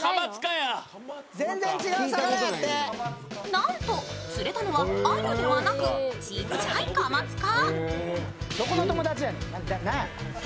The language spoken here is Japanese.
なんと釣れたのは鮎ではなくちっちゃいカマツカ。